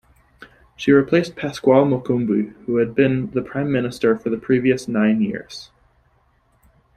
She replaced Pascoal Mocumbi, who had been Prime Minister for the previous nine years.